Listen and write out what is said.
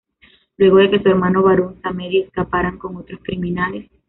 Luego de que su hermano baron samedi escapara con otros criminales.